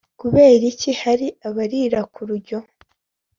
Kubera iki hari abarira ku rujyo?